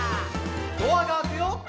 「ドアが開くよ」